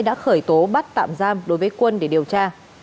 đối với quân để điều tra